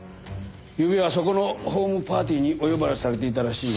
ゆうべはそこのホームパーティーにお呼ばれされていたらしいが。